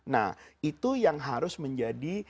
nah itu yang harus menjadi